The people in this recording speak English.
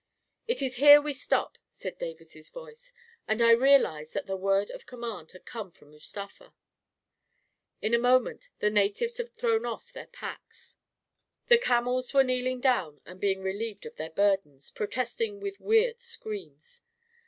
" It is here we stop," said Davis's voice, and I real ized that the word of command had come from Mustafa. In a moment the natives had thrown off their packs; the camels were kneeling dowg and being A KING IN BABYLON 113 relieved of their burdens, protesting with weird screams.